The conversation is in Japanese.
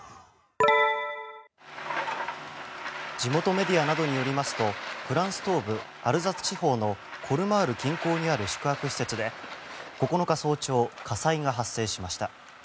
地元メディアなどによりますとフランス東部アルザス地方のコルマール近郊にある宿泊施設で９日早朝、火災が発生しました。